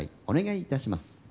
お願いいたします